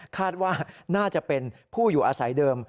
คาดว่าน่าจะเป็นผู้อยู่อาศัยเดิม